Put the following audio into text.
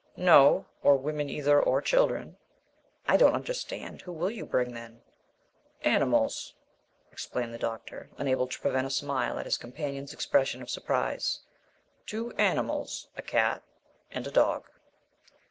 "No, or women either; or children." "I don't understand. Who will you bring, then?" "Animals," explained the doctor, unable to prevent a smile at his companion's expression of surprise "two animals, a cat and a dog."